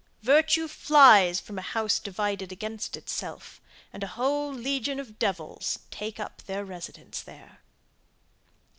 Virtue flies from a house divided against itself and a whole legion of devils take up their residence there.